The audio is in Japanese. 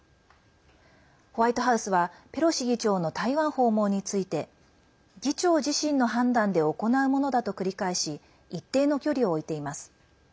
ホワイトハウスはペロシ議長の台湾訪問について議長自身の判断で行うものだと繰り返し一定の距離を置いています。